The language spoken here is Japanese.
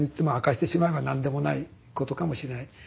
「まあ明かしてしまえば何でもないことかもしれない。